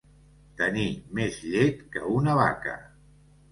Tenir més llet que una vaca.